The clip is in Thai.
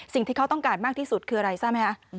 สิ่งที่เขาต้องการมากที่สุดคืออะไรทราบไหมคะ